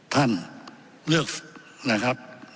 ท่านเลือกนะครับ